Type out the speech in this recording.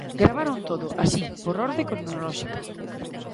Gravaron todo, así, por orde cronolóxica.